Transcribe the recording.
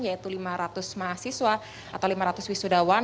yaitu lima ratus mahasiswa atau lima ratus wisudawan